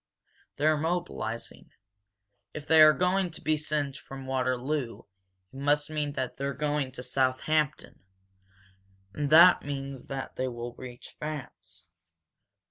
They're mobilizing. If they are going to be sent from Waterloo it must mean that they're going to Southampton and that means that they will reach France.